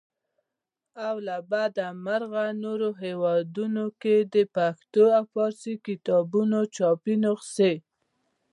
او له بده مرغه نورو هیوادونو کې د پښتو او فارسي کتابونو چاپي نخسې.